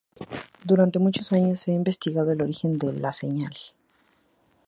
Durante muchos años se ha investigado el origen de la señal.